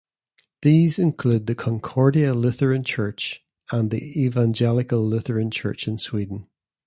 These include the Concordia Lutheran Church and the Evangelical Lutheran Church in Sweden.